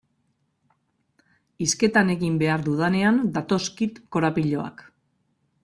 Hizketan egin behar dudanean datozkit korapiloak.